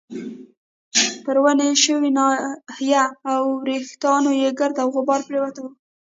پر وینې شوې ناحیه او وریښتانو يې ګرد او غبار پرېوتی وو.